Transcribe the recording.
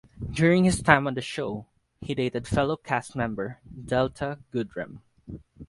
During his time on the show, he dated fellow cast-member Delta Goodrem.